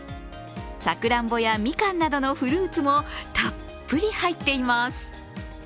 さくらんぼやみかんなどのフルーツもたっぷり入っています。